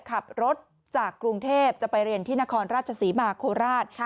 ขับรถจากกรุงเทพจะไปเรียนที่นครราชศรีมาโคราช